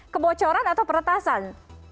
kebocoran atau peretasan